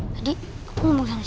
jadi umur sampai